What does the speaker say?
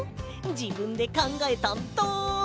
じぶんでかんがえたんだ。